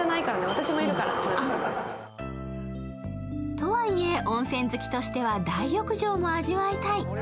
とはいえ、温泉好きとしては大浴場も味わいたい。